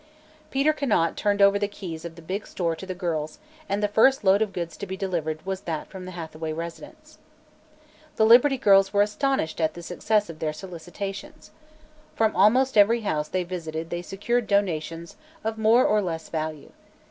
Peter Conant turned over the keys of the big store to the girls and the first load of goods to be delivered was that from the Hathaway residence. The Liberty Girls were astonished at the success of their solicitations. From almost every house they visited they secured donations of more or less value.